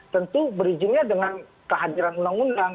tentu bridging nya dengan kehadiran undang undang